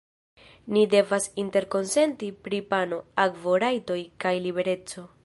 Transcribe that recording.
Ni devas interkonsenti pri pano, akvo, rajtoj kaj libereco.